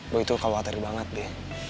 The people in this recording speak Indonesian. boy itu khawatir banget be